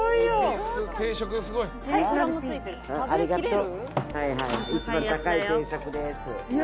ありがとう。